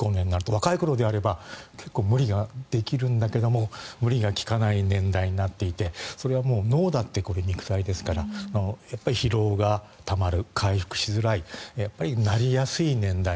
若い頃だと無理ができるんだけど無理が利かない年代になっていてそれは脳だって肉体ですからやっぱり疲労がたまる回復しづらいなりやすい年代。